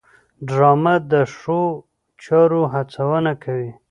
ډرامه د ښو چارو هڅونه کوي